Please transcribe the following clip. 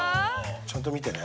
ちゃんと見てね。